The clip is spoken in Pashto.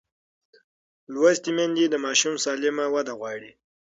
لوستې میندې د ماشوم سالمه وده غواړي.